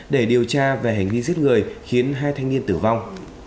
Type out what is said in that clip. để điều tra về hành vi giết người khiến hai thanh niên tử vong